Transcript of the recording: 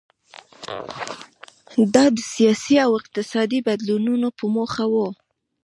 دا د سیاسي او اقتصادي بدلونونو په موخه و.